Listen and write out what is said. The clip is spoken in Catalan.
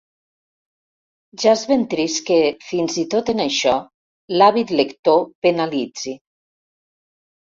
Ja és ben trist que, fins i tot en això, l'hàbit lector penalitzi.